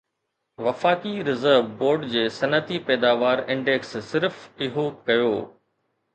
وفاقي reserve board جي صنعتي پيداوار انڊيڪس صرف اهو ڪيو